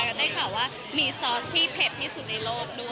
ก็ได้ข่าวว่ามีซอสที่เผ็ดที่สุดในโลกด้วย